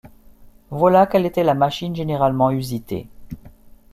Voilà quelle était la machine généralement usitée.